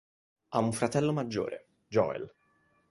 Ha un fratello maggiore, Joel.